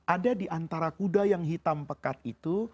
ada di antara kuda yang hitam pekat itu